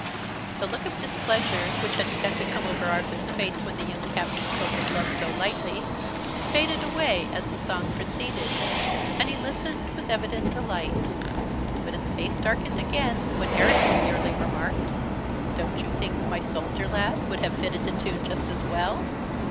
The look of displeasure, which had begun to come over Arthur's face when the young Captain spoke of Love so lightly, faded away as the song proceeded, and he listened with evident delight. But his face darkened again when Eric demurely remarked "Don't you think 'my soldier lad' would have fitted the tune just as well!"